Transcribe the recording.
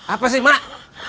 apa sih mak